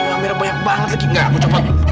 amirah banyak banget lagi nggak aku coba